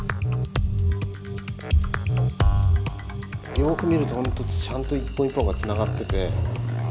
よく見ると本当ちゃんと一本一本がつながってて。